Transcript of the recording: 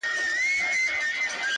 ته چي راغلې سپين چي سوله تور باڼه _